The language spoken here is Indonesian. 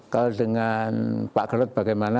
kalau dengan pak garut bagaimana